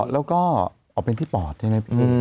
แล้วก็เป็นที่ปอดใช่ไหม